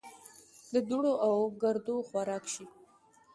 د دوړو او ګردو خوراک شي .